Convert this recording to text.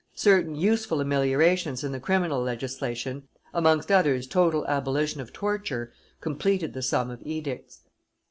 Certain useful ameliorations in the criminal legislation, amongst others total abolition of torture, completed the sum of edicts.